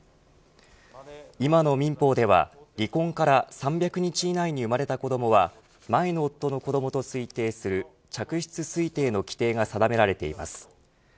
今の民法では離婚から３００日以内に生まれた子どもは前の夫の子どもと推定する嫡出推定の規定が定められています。